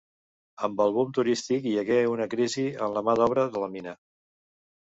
Amb el boom turístic hi hagué una crisi en la mà d'obra de la mina.